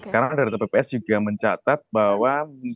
karena data bps juga mencatat bahwa